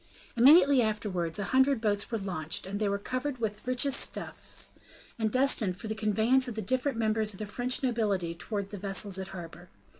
Immediately afterwards a hundred boats were launched; they were covered with the richest stuffs, and destined for the conveyance of the different members of the French nobility towards the vessels at anchor.